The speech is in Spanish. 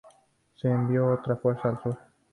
Se envió otra fuerza al sur.